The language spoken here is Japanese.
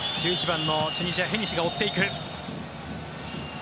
１１番のチュニジア、ヘニシが追っていく。